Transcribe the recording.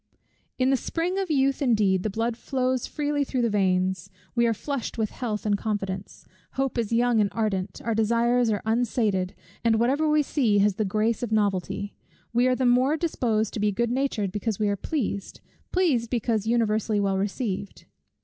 In the spring of youth indeed, the blood flows freely through the veins; we are flushed with health and confidence; hope is young and ardent, our desires are unsated, and whatever we see has the grace of novelty; we are the more disposed to be good natured because we are pleased; pleased, because universally well received.